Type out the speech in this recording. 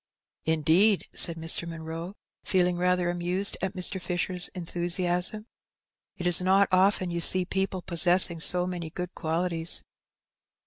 " Indeed !" said Mr. Munroe, feeling rather amused at Mr. Fisher's enthusiasm. " It is not often you see people possessing so many good qualities."